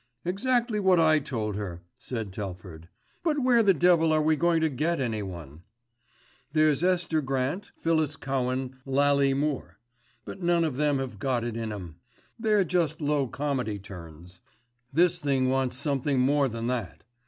"Exactly what I told her," said Telford; "but where the devil are we going to get anyone? There's Esther Grant, Phyllis Cowan, Lallie Moore; but none of them have got it in 'em. They're just low comedy turns. This thing wants something more than that.